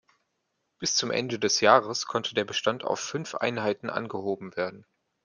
Bis zum Ende des Jahres konnte der Bestand auf fünf Einheiten angehoben werden.